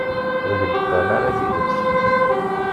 Ur k-d-qqarent ara tidet.